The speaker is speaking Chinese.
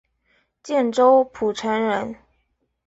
建州浦城人。